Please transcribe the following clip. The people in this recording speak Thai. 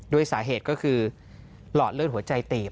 ด้วยสาเหตุก็คือหลอดเลือดหัวใจตีบ